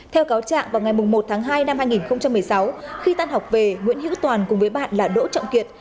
theo cáo trạng vào ngày một tháng hai năm hai nghìn một mươi sáu khi tan học về nguyễn hữu toàn cùng với bạn là đỗ trọng kiệt